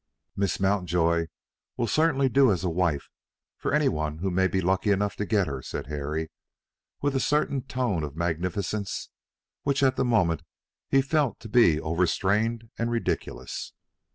"Miss Mountjoy will certainly do as a wife for any one who may be lucky enough to get her," said Harry, with a certain tone of magnificence which at the moment he felt to be overstrained and ridiculous.